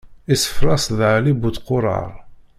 Iṣeffer-as-d Ɛli bu tquṛaṛ.